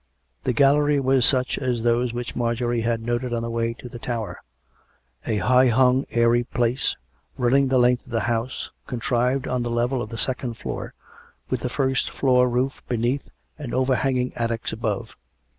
The gallery was such as those which Marjorie had noted on the way to the Tower; a high hung, airy place, running the length of the house, contrived on the level of the second floor, with the first floor roof beneath and overhanging at tics above.